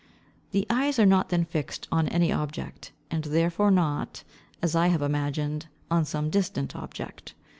The eyes are not then fixed on any object, and therefore not, as I had imagined, on some distant object.